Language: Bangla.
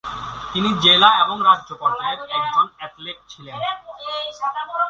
তিনি জেলা এবং রাজ্য পর্যায়ের একজন অ্যাথলেট ছিলেন।